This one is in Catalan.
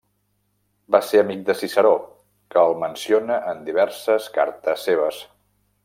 Va ser amic de Ciceró, que el menciona en diverses cartes seves.